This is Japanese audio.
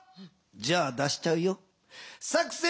じゃあ出しちゃうよ。